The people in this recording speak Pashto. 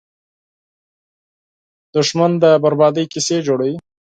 دښمن د بربادۍ کیسې جوړوي